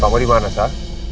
kamu dimana sa